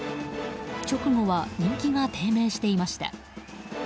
直後は人気が低迷していました。